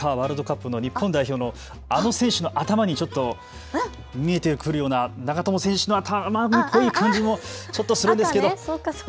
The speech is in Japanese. サッカーワールドカップの日本代表のあの選手の頭に見えてくるような、長友選手の頭っぽい感じもするんですが。